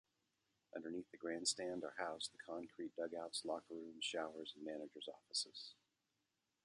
Underneath the grandstand are housed the concrete dugouts, locker rooms, showers and manager's offices.